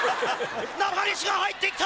中西が入ってきた！